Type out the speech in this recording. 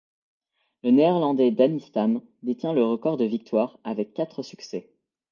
Le Néerlandais Danny Stam détient le record de victoires avec quatre succès.